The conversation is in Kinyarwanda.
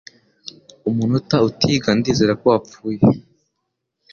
Umunota utiga ndizera ko wapfuye.”